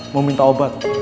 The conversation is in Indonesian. mau minta obat